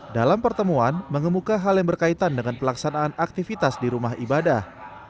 dalam pertemuan mengemuka hal yang berkaitan dengan pelaksanaan aktivitas di rumah ibadah